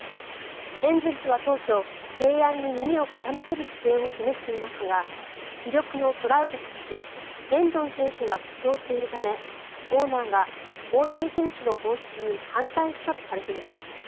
エンゼルスは当初提案に耳を傾ける姿勢を示していましたが主力のトラウト選手レンドン選手が故障しているためオーナーが大谷選手の放出に反対したとされています。